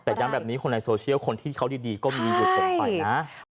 แต่ย้ำแบบนี้คนในโซเชียลคนที่เขาดีก็มีอยู่สมไปนะ